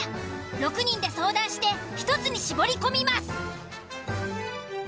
６人で相談して１つに絞り込みます。